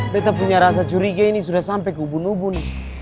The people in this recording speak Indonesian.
tetap punya rasa curiga ini sudah sampai ke ubun ubun